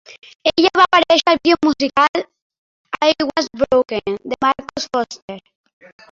Ella va aparèixer al vídeo musical "I was Broken" de Marcus Foster.